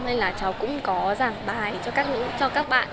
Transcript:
nên là cháu cũng có giảng bài cho các bạn